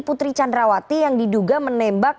putri candrawati yang diduga menembak